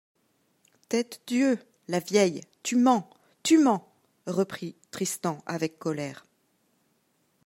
Tête-Dieu! la vieille ! tu mens ! tu mens ! reprit Tristan avec colère.